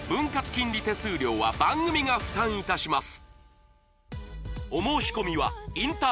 金利手数料は番組が負担いたします